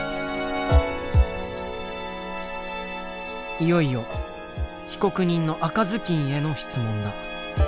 いよいよ被告人の赤ずきんへの質問だ。